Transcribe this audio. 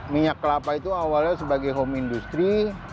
minyak kelapa itu awalnya sebagai home industry